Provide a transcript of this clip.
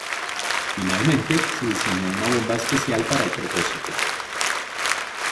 Finalmente, se diseñó una bomba especial para el propósito.